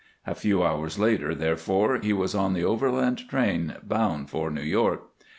A few hours later, therefore, he was on the overland train bound for New York.